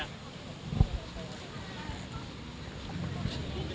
พระศักดิ์ไทย